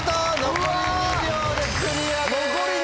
残り２秒でクリアです！